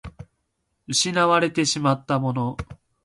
失われてしまったもの